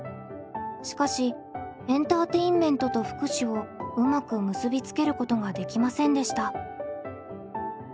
しかしエンターテインメントと福祉をうまく結び付けることができませんでした。